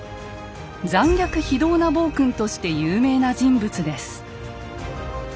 残虐非道な暴君として有名な人物です。